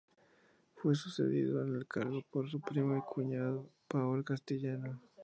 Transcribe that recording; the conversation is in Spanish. Fue sucedido en el cargo por su primo y cuñado Paul Castellano.